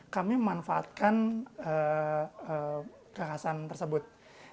kami memanfaatkan kekhasan tersebut